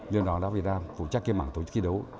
nhưng đó là vì đang phụ trách kia mảng tổ chức kỳ đấu